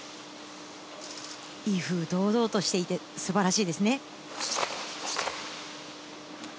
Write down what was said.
威風堂々としていて素晴らしいですね。